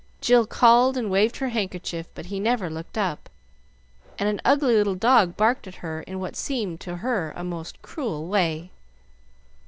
Jill called and waved her handkerchief, but he never looked up, and an ugly little dog barked at her in what seemed to her a most cruel way.